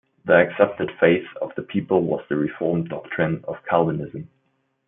The accepted faith of the people was the Reformed doctrine of Calvinism.